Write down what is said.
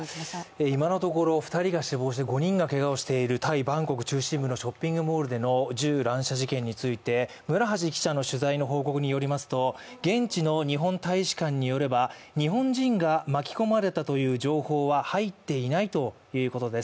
今のところ、２人が死亡して５人がけがをしている、タイ・バンコク中心部のショッピングモールでの銃乱射事件について、記者の報告によりますと現地の日本大使館によれば日本人が巻き込まれたという情報は入っていないということです。